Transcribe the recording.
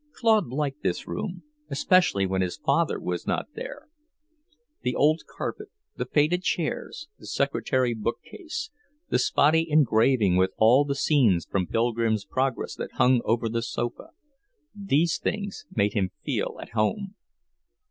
Claude liked this room, especially when his father was not there. The old carpet, the faded chairs, the secretary book case, the spotty engraving with all the scenes from Pilgrim's Progress that hung over the sofa, these things made him feel at home.